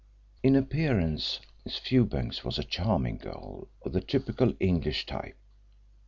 In appearance Miss Fewbanks was a charming girl of the typical English type.